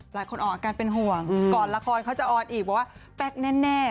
หลายคนออกอาการเป็นห่วงก่อนละครเขาจะออนอีกบอกว่าแป๊กแน่